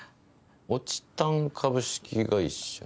オチタン株式会社。